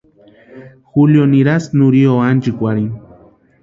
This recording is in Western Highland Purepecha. Julio nirasti Nurio ánchekwarhini.